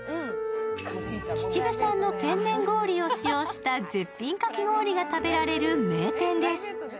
秩父産の天然氷を使用した絶品かき氷が食べられる名店です。